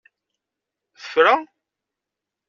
Tefra?